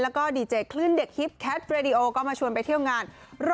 แล้วก็ดีเจคลื่นเด็กฮิปแคทเรดิโอก็มาชวนไปเที่ยวงาน